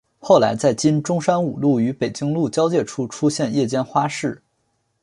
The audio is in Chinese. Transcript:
后来在今中山五路与北京路交界处出现夜间花市。